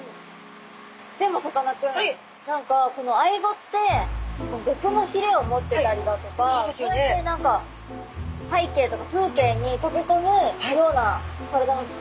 でもさかなクン何かこのアイゴって毒のひれを持ってたりだとかこうやって何か背景とか風景に溶け込むような体のつくりになってるじゃないですか。